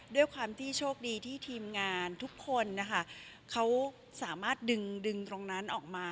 ด้วยความที่โชคดีที่ทีมงานทุกคนนะคะเขาสามารถดึงดึงตรงนั้นออกมา